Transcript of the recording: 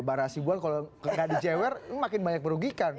barra hasibuan kalau tidak dijewer makin banyak merugikan